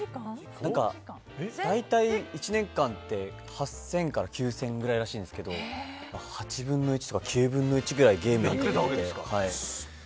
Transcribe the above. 大体１年間って８０００から９０００ぐらいらしいんですけど８分の１とか９分の１くらいゲームにかけてて。